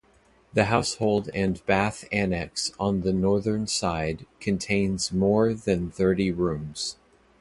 The household and bath annex on the northern side contains more than thirty rooms.